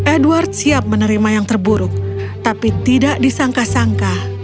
edward siap menerima yang terburuk tapi tidak disangka sangka